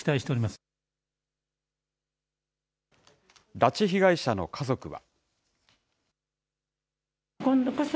拉致被害者の家族は。